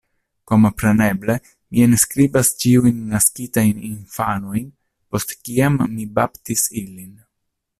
Kompreneble mi enskribas ĉiujn naskitajn infanojn, post kiam mi baptis ilin.